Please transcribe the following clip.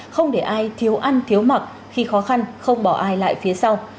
không để ai thiếu ăn thiếu mặc khi khó khăn không bỏ ai lại phía sau